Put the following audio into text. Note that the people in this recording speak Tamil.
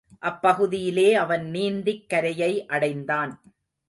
அப்பகுதியிலே அவன் நீந்திக் கரையை அடைந்தான்.